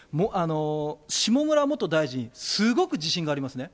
下村元大臣、すごく自信がありますね。